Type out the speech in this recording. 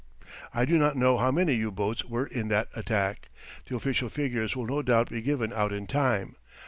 I do not know how many U boats were in that attack. The official figures will no doubt be given out in time.